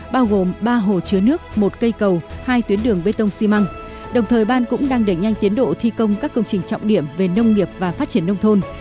bao gồm ba hồ chứa nước một cây cầu hai tuyến đường bê tông xi măng đồng thời ban cũng đang đẩy nhanh tiến độ thi công các công trình trọng điểm về nông nghiệp và phát triển nông thôn